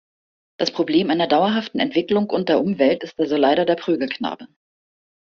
Das Problem einer dauerhaften Entwicklung und der Umwelt ist also leider der Prügelknabe.